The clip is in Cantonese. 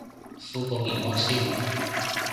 敷個面膜先